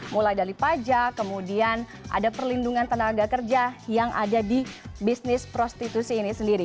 mulai dari pajak kemudian ada perlindungan tenaga kerja yang ada di bisnis prostitusi ini sendiri